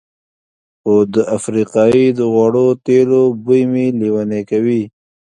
خو د افریقایي د غوړو تېلو بوی مې لېونی کوي.